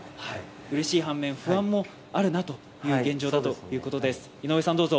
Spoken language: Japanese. うれしい反面、不安もあるという現状だということです。